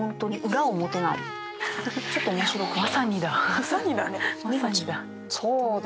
ちょっと面白くて。